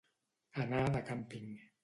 Anar de càmping.